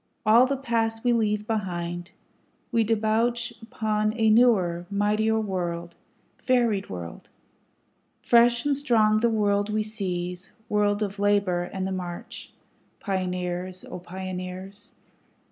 All the past we leave behind, We debouch upon a newer, mightier world, varied world; Fresh and strong the world we seize, world of labor and the march, Pioneers! O Pioneers!